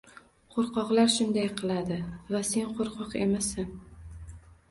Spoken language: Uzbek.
Qo’rqoqlar shunday qiladi va sen qo’rqoq emassan